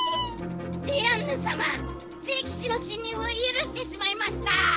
ディアンヌ様聖騎士の侵入を許してしまいました。